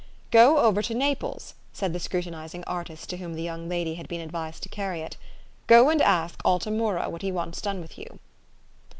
" Go over to Naples," said the scrutinizing artist to whom the young lady had been advised to carry it; "go and ask Alta Mura what he wants done with you."